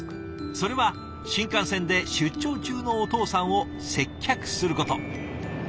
それは新幹線で出張中のお父さんを接客すること。